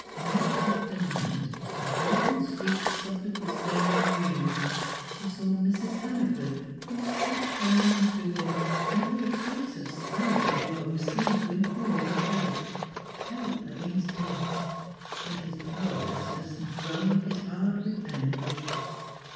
Night after night his broken sleep suffered the same dream; he saw Mrs. Hannaford, who stretched her hands to him, and with a face of silent woe seemed to implore his help. Help against Death; and his powerlessness wrung his heart with anguish.